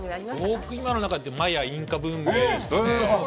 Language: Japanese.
僕、今の中だったらマヤ・インカ文明ですかね。